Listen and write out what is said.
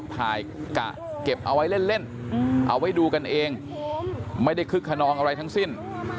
กะเก็บเอาไว้เล่นเอาไว้ดูกันเองไม่ได้คึกขนองอะไรทั้งสิ้น